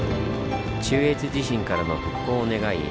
中越地震からの復興を願い